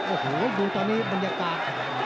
โอ้โหดูตอนนี้บรรยากาศ